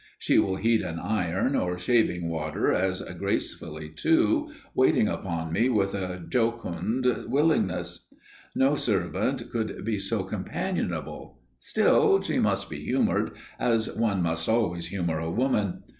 She will heat an iron or shaving water as gracefully, too, waiting upon me with a jocund willingness. No servant could be so companionable. Still, she must be humoured as one must always humour a woman.